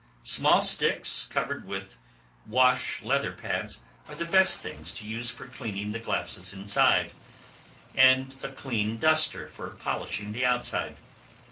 Small sticks, covered with wash leather pads, are the best things to use for cleaning the glasses inside, and a clean duster for polishing the outside.